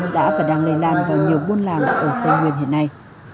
đã và đang lây lan vào nhiều buôn làng ở tây nguyên hiện nay